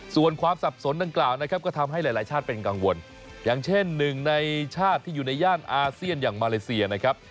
ส่วนความสับสนดังกล่าวนะครับก็ทำให้หลายชาติเป็นกังวลอย่างเช่นหนึ่งในชาติที่อยู่ในย่านอาเซียนอย่างมาเลเซียนะครับ